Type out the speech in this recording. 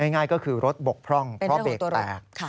ง่ายก็คือรถบกพร่องเพราะเบรกแตก